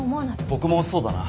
僕もそうだな。